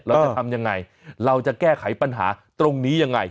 เราจะทำยังไงเราจะแก้ไขปัญหาตรงนี้ยังไง